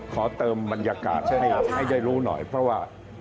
ขอเติมบรรยากาศให้ได้รู้หน่อยเพราะว่า